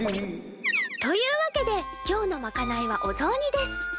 というわけで今日のまかないはおぞうにです。